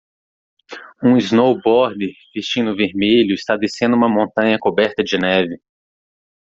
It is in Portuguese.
um snowboarder vestindo vermelho está descendo uma montanha coberta de neve.